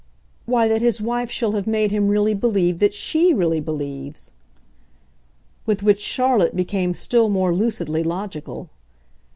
"Why that his wife shall have made him really believe that SHE really believes." With which Charlotte became still more lucidly logical.